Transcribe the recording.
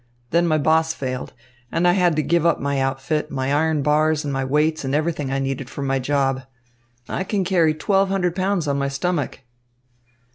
Then my boss failed, and I had to give up my outfit, my iron bars and my weights and everything I needed for my job. I can carry twelve hundred pounds on my stomach."